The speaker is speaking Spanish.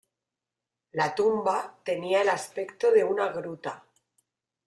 La tumba tenía el aspecto de una gruta.